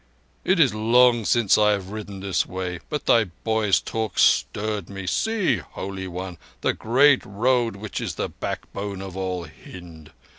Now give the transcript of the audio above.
"It is long since I have ridden this way, but thy boy's talk stirred me. See, Holy One—the Great Road which is the backbone of all Hind.